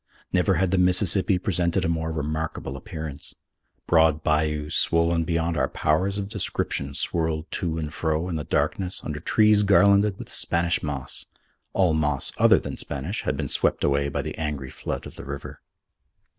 Never had the Mississippi presented a more remarkable appearance. Broad bayous, swollen beyond our powers of description, swirled to and fro in the darkness under trees garlanded with Spanish moss. All moss other than Spanish had been swept away by the angry flood of the river.